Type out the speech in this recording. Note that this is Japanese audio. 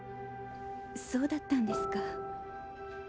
そうだったんですか。